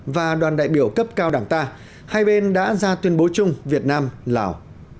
và đoàn đại biểu cấp cao đảng ta hai bên đã ra tuyên bố chung việt nam lào